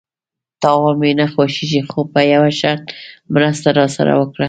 _تاوان مې نه خوښيږي، خو په يوه شرط، مرسته راسره وکړه!